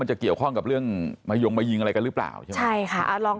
จะเกี่ยวข้องกับเรื่องมายงมายิงอะไรกันหรือเปล่าใช่ไหมใช่ค่ะลอง